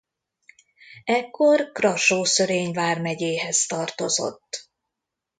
Ekkor Krassó-Szörény vármegyéhez tartozott.